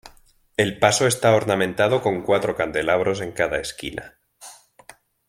El paso está ornamentado con cuatro candelabros en cada esquina.